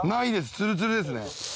ツルツルですね。